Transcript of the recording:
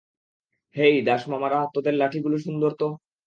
হেই, দাস মামারা, তোদের লাঠিগুলো সুন্দর তো!